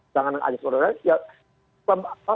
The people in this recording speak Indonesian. dengan ajar ajar umum pemerintahan ya